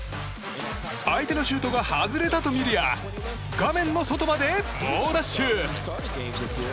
相手のシュートが外れたとみるや画面の外まで猛ダッシュ。